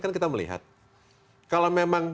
kan kita melihat kalau memang